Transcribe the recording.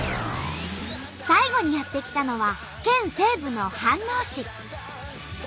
最後にやって来たのは県西部の飯能市。